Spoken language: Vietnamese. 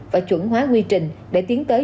và chuẩn hóa nguy trình để tiến tới